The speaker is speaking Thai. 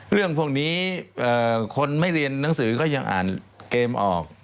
เรื่องพวกนี้คนไม่เรียนหนังสือก็ยังอ่านเกมออก